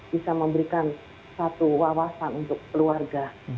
bisa memberikan satu wawasan untuk keluarga